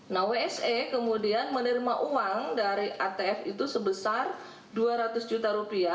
nah wse kemudian menerima uang dari atf itu sebesar rp dua ratus juta rupiah